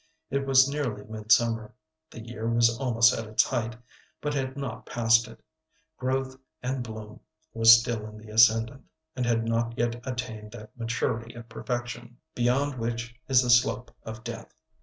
It was nearly midsummer. The year was almost at its height, but had not passed it. Growth and bloom was still in the ascendant, and had not yet attained that maturity of perfection beyond which is the slope of death.